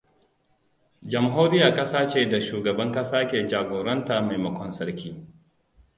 Jamhuriya ƙasa ce da shugaban ƙasa ke jagoranta maimakon sarki.